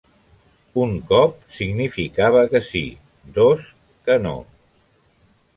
Un cop significava que sí, dos que no.